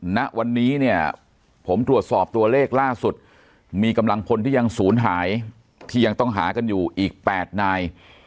ณวันนี้เนี่ยผมตรวจสอบตัวเลขล่าสุดมีกำลังพลที่ยังศูนย์หายที่ยังต้องหากันอยู่อีก๘นาย